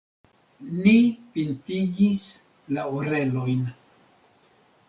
Ni pintigis la orelojn.